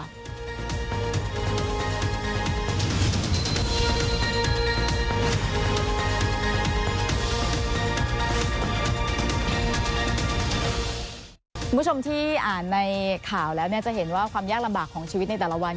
คุณผู้ชมที่อ่านในข่าวแล้วเนี่ยจะเห็นว่าความยากลำบากของชีวิตในแต่ละวัน